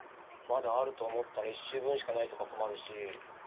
まだあると思ったら１周分しかないとか困るし。